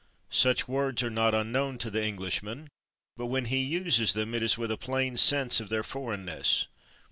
Such words are not unknown to the Englishman, but when he uses them it is with a plain sense of their foreignness.